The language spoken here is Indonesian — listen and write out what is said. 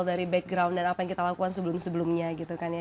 dari background dan apa yang kita lakukan sebelum sebelumnya gitu kan ya